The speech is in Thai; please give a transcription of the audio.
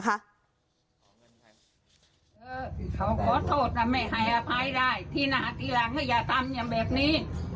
เขาขอโทษนะไม่ให้อภัยได้ที่หน้าทีหลังให้อย่าทำอย่างแบบนี้